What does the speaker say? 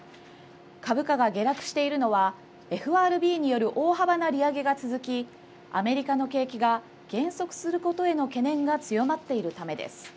株価が下落しているのはＦＲＢによる大幅な利上げが続きアメリカの景気が減速することへの懸念が強まっているためです。